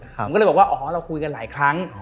ผมก็เลยบอกว่าอ๋อเราคุยกันหลายครั้ง